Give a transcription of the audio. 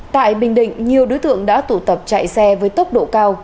tại bình định nhiều đối tượng đã tụ tập chạy xe với tốc độ cao